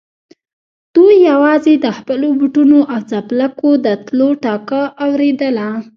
دوی يواځې د خپلو بوټونو او څپلکو د تلو ټکا اورېدله.